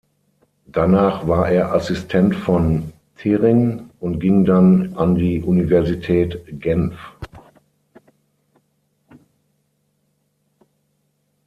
Danach war er Assistent von Thirring und ging dann an die Universität Genf.